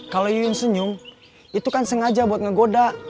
kalau yuyun senyum itu kan sengaja buat ngegoda